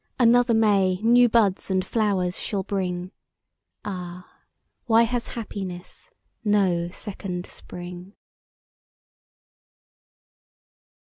Another May new buds and flowers shall bring; Ah! why has happiness no second spring?